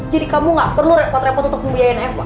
jadi kamu gak perlu repot repot untuk ngebiarin eva